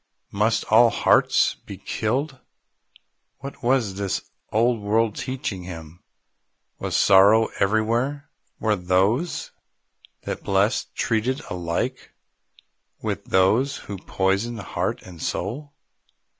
Must all hearts be killed? What was this old world teaching him? Was sorrow everywhere? Were those that blessed treated alike with those who poisoned heart and soul?